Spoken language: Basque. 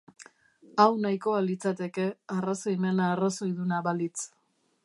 Hau nahikoa litzateke arrazoimena arrazoiduna balitz.